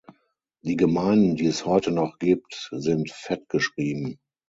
Die Gemeinden, die es heute noch gibt, sind fett geschrieben.